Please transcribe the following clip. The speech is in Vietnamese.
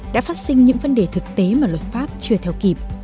đã phát sinh những vấn đề thực tế mà luật pháp chưa theo kịp